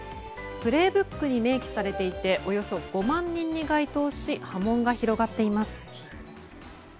「プレイブック」に明記されていておよそ５万人に該当し波紋が広がっています。